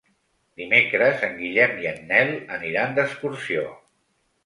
Dimecres en Guillem i en Nel aniran d'excursió.